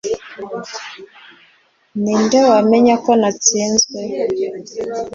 ninde wabimenya ko watsinzwe